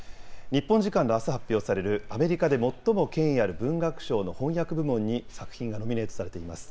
日本時間のあす発表される、アメリカで最も権威ある文学賞の翻訳部門に作品がノミネートされています。